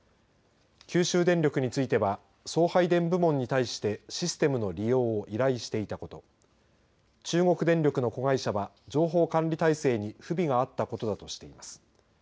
九州電力については送配電部門に対してシステムの利用を依頼していたこと中国電力の子会社は情報管理体制に不備があったことだとしています。